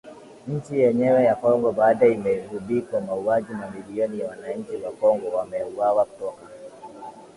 Nchi yenyewe ya Kongo bado imegubikwa mauaji Mamilioni ya wananchi wa Kongo wameuwawa toka